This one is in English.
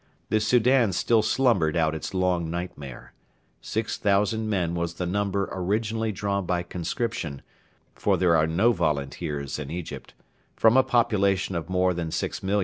The Soudan still slumbered out its long nightmare. Six thousand men was the number originally drawn by conscription for there are no volunteers in Egypt from a population of more than 6,000,000.